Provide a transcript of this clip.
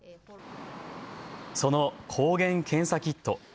その抗原検査キット。